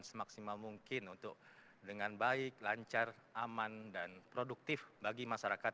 semaksimal mungkin untuk dengan baik lancar aman dan produktif bagi masyarakat